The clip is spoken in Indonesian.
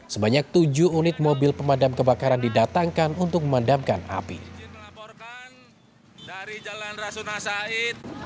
sebanyak tujuh unit mobil pemadam kebakaran didatangkan untuk memadamkan api